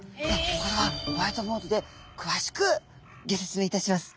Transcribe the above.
これはホワイトボードでくわしくギョ説明いたします。